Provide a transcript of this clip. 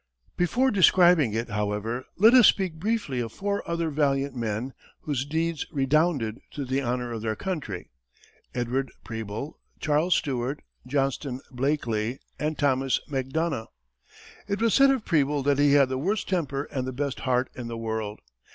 Before describing it, however, let us speak briefly of four other valiant men, whose deeds redounded to the honor of their country Edward Preble, Charles Stewart, Johnston Blakeley, and Thomas Macdonough. It was said of Preble that he had the worst temper and the best heart in the world.